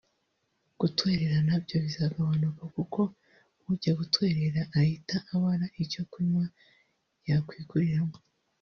gutwerera na byo bizagabanuka kuko ujya gutwerera ahita abara icyo kunywa yakwiguriramo